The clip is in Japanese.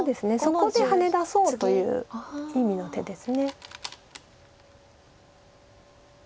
そこでハネ出そうという意味の手です。